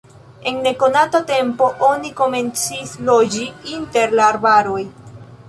En nekonata tempo oni komencis loĝi inter la arbaroj.